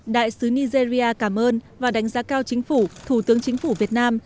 đại sứ nigeria cảm ơn và đánh giá cao chính phủ thủ tướng chính phủ việt nam